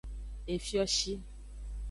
Efioshi.